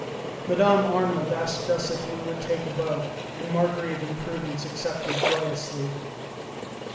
Mme. Arnould asked us if we would take a boat, and Marguerite and Prudence accepted joyously.